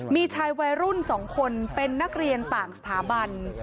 มีชายวัยรุ่น๒คนเป็นนักเรียนต่างสถาบัน